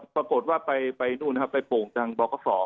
ปรากฏว่าไปนู่นครับไปปลงทางบรคศอร์